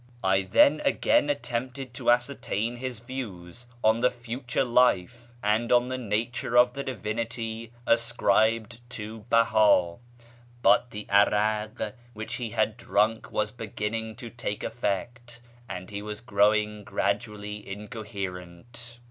I then again attempted to ascertain his views on the future life and on the nature of the divinity ascribed to Beha, but the 'arak which he had drunk was beginning to take effect, and he was growing gradually inco herent.